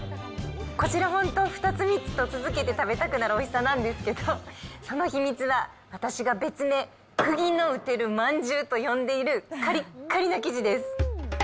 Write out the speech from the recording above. こちら本当、２つ３つと食べたくなるおいしさなんですけど、その秘密は、私が別名、くぎの打てるまんじゅうと呼んでいる、かりっかりの生地です。